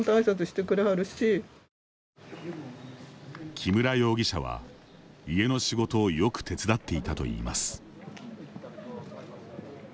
木村容疑者は、家の仕事をよく手伝っていたといいます。